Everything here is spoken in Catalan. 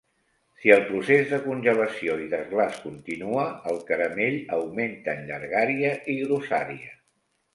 Si el procés de congelació i desglaç continua, el caramell augmenta en llargària i grossària.